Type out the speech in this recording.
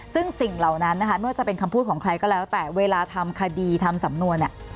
ซึ่งสิ่งเหล่านั้นนะคะไม่ว่าจะเป็นคำพูดของใครก็แล้วแต่เวลาทำคดีทำสำนวนเนี่ย